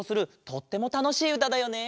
とってもたのしいうただよね。